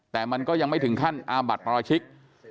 แต่มันก็ยังไม่ถึงขั้นอาบัติปราชิก